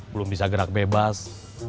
belum bisa gerak bebas